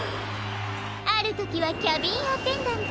あるときはキャビンアテンダント。